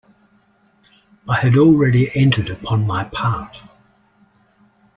I had already entered upon my part.